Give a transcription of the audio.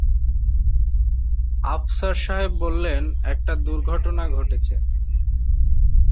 আফসার সাহেব বললেন, একটা দুর্ঘটনা ঘটেছে।